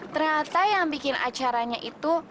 ternyata yang bikin acaranya itu